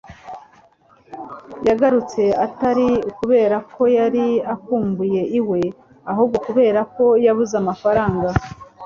Yagarutse atari ukubera ko yari akumbuye iwe, ahubwo kubera ko yabuze amafaranga.